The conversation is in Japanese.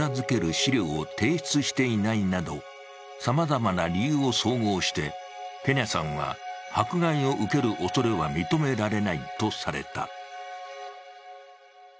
資料を提出していないなどさまざまな理由を総合して、ペニャさんは迫害を受けるおそれは認められないとされた。